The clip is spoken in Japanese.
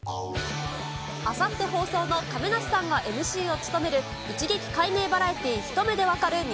あさって放送の亀梨さんがＭＣを務める、一撃解明バラエティひと目でわかる！